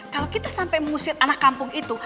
kalau kita sampai mengusir anak kampung itu